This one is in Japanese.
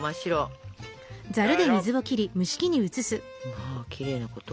まきれいなこと。